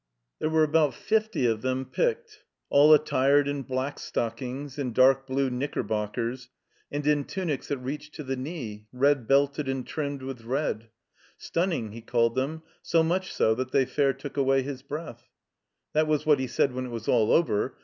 There were about fifty of them, picked ; all attired in black stockings, in dark blue knickerbockers, and in tunics that reached to the knee, red belted and trimmed with red. Stunning, he called them; so much so that they fair took away his breath. That was what he said when it was all over.